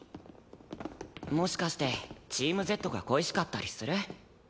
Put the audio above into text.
もしかしてチームＺが恋しかったりする？